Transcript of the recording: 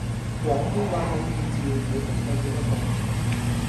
廣東話口語字你識寫幾多個?